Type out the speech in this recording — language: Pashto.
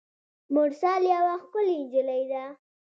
مرسل یوه ښکلي نجلۍ ده.